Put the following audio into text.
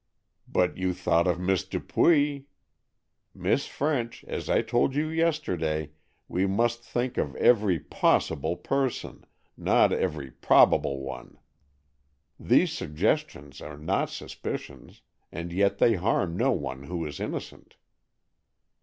"But you thought of Miss Dupuy. Miss French, as I told you yesterday, we must think of every possible person, not every probable one. These suggestions are not suspicions—and they harm no one who is innocent."